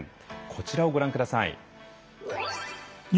こちらをご覧ください。